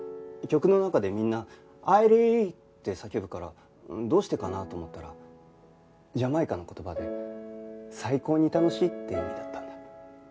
曲の中でみんな「アイリー！」って叫ぶからどうしてかな？と思ったらジャマイカの言葉で「最高に楽しい」っていう意味だったんだ。